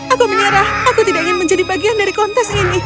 aku menyerah aku tidak ingin menjadi bagian dari kontes ini